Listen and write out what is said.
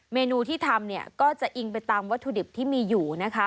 เมนูที่ทำก็จะอิงไปตามวัตถุดิบที่มีอยู่นะคะ